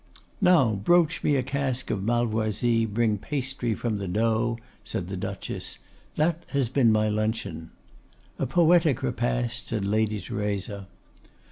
'Now broach me a cask of Malvoisie, Bring pasty from the doe;' said the Duchess. 'That has been my luncheon.' 'A poetic repast,' said Lady Theresa.